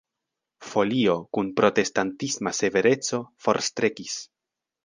Folio kun protestantisma severeco forstrekis.